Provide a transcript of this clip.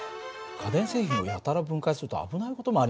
家電製品をやたら分解すると危ない事もありますからね。